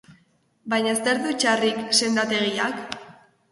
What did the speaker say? Baina zer du txarrik sendategiak?